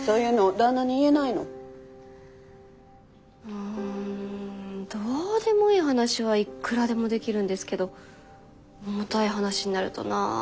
うんどうでもいい話はいくらでもできるんですけど重たい話になるとなんか。